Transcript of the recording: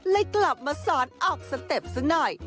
กลับมาสอนออกสเต็ปซะหน่อย